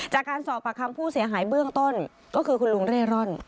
จากการสอบปากคำผู้เสียหายเบื้องต้นก็คือคุณลุงเร่ร่อน